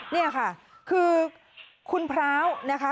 นี่ค่ะคือคุณพร้าวนะคะ